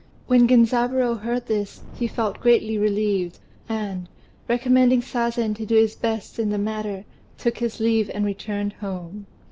When Genzaburô heard this he felt greatly relieved, and, recommending Sazen to do his best in the matter, took his leave and returned home.